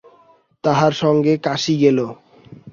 তাঁহার সঙ্গে কাশী গেল।